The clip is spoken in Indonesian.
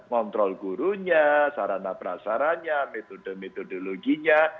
kontrol gurunya sarana prasaranya metode metode loginya